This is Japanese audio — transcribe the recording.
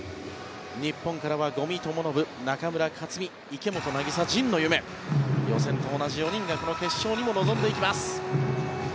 日本からは五味智信、中村克池本凪沙、神野ゆめ。予選と同じ４人がこの決勝にも臨んでいきます。